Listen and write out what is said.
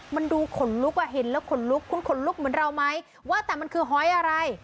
มันดูขนลุกอ่ะเห็นแล้วขนลุกคุณขนลุกเหมือนเราไหมว่าแต่มันคือหอยอะไร